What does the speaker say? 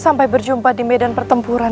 sampai berjumpa di medan pertempuran